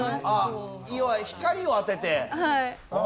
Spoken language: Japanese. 要は光を当てて？